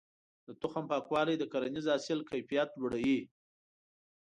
د تخم پاکوالی د کرنیز حاصل کيفيت لوړوي.